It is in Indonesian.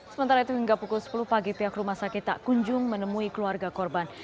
sementara itu hingga pukul sepuluh pagi pihak rumah sakit tak kunjung menemui keluarga korban